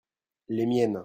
les miennes.